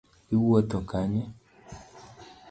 Iwuotho kanye